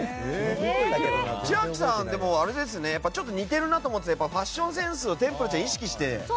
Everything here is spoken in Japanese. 千秋さん、ちょっと似てるなと思ってたらやっぱりファッションセンスがテンプルちゃんを意識して。